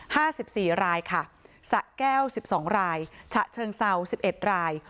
ห้าสิบสี่รายค่ะสะแก้วสิบสองรายฉะเชิงเซาสิบเอ็ดราย